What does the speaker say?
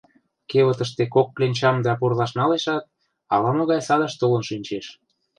Кевытыште кок кленчам да пурлаш налешат, ала-могай садыш толын шинчеш.